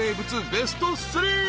ベスト３。